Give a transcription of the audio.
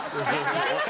やります？